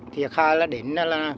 thiệt hại là đỉnh